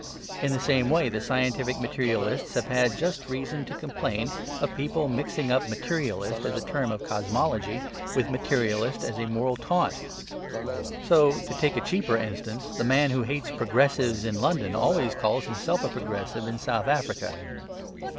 In the same way the scientific materialists have had just reason to complain of people mixing up "materialist" as a term of cosmology with "materialist" as a moral taunt. So, to take a cheaper instance, the man who hates "progressives" in London always calls himself a "progressive" in South Africa.